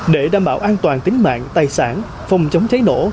để đảm bảo an toàn tính mạng tài sản phòng chống cháy nổ